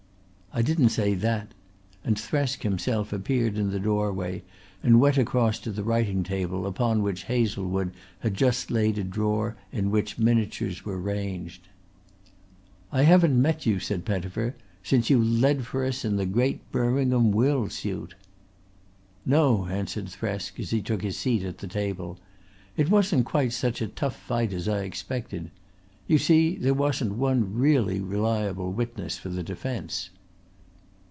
"I didn't say that"; and Thresk himself appeared in the doorway and went across to the writing table upon which Hazlewood had just laid a drawer in which miniatures were ranged. "I haven't met you," said Pettifer, "since you led for us in the great Birmingham will suit." "No," answered Thresk as he took his seat at the table. "It wasn't quite such a tough fight as I expected. You see there wasn't one really reliable witness for the defence."